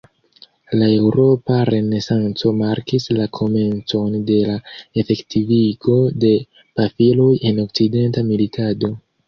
La eŭropa Renesanco markis la komencon de la efektivigo de pafiloj en okcidenta militado.